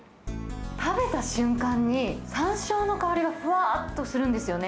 食べた瞬間に、さんしょうの香りがふわーっとするんですよね。